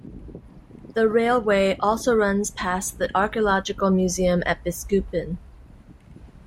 The railway also runs past the archaeological museum at Biskupin.